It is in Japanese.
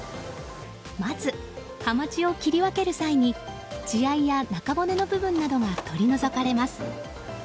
まず、ハマチを切り分ける際に血合いや中骨の部分などが取り除かれます。